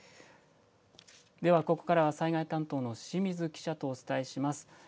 ではここからは災害担当の清水記者とお伝えします。